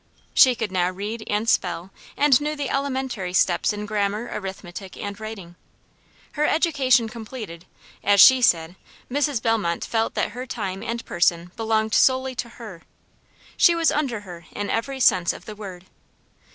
She could now read and spell, and knew the elementary steps in grammar, arithmetic, and writing. Her education completed, as SHE said, Mrs. Bellmont felt that her time and person belonged solely to her. She was under her in every sense of the word.